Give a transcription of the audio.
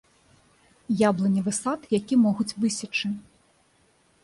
Яблыневы сад, які могуць высечы.